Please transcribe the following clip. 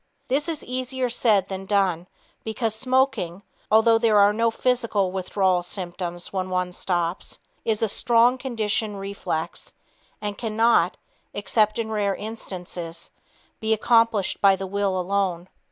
This is easier said than done because smoking, although there are no physical withdrawal symptoms when one stops, is a strong, conditioned reflex and cannot (except in rare instances) be accomplished by the will alone.